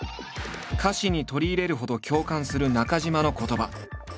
歌詞に取り入れるほど共感する中島の言葉。